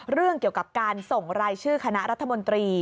เรื่องเกี่ยวกับการส่งรายชื่อคณะรัฐมนตรี